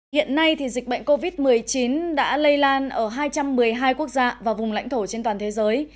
hiện nay dịch bệnh covid một mươi chín đã lây lan ở hai trăm một mươi hai quốc gia và vùng lãnh thổ trên toàn thế giới